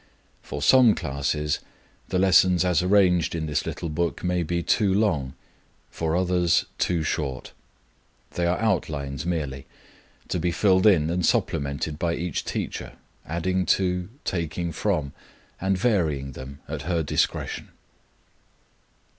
For some classes the lessons as arranged in this little book may be too long, for others too short. They are outlines merely, to be filled in and supplemented by each teacher, adding to, taking from, and varying them at her discretion.